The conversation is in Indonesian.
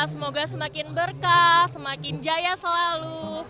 semoga semakin berkah semakin jaya selalu